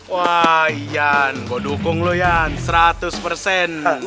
wah ian gue dukung lo ian seratus persen